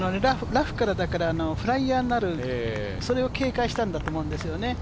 ラフからだからフライヤーになるそれを警戒したんだと思うんですよね。